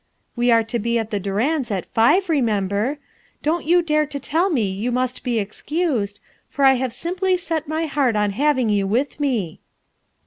\\ Q are to be at the Durands' at five, remember. Don't y dare to tell me you must be excused, for I ha\ simply set my heart on having you with me."